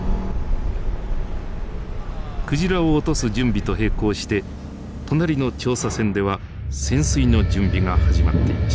クジラを落とす準備と並行して隣の調査船では潜水の準備が始まっていました。